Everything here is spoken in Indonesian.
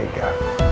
ibu yang tega